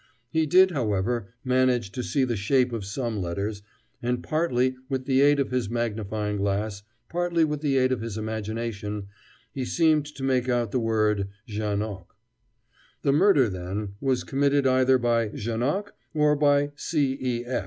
He did, however, manage to see the shape of some letters, and, partly with the aid of his magnifying glass, partly with the aid of his imagination, he seemed to make out the word "Janoc." The murder, then, was committed either by Janoc, or by C. E.